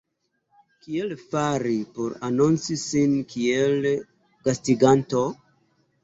Kiel fari por anonci sin kiel gastiganto?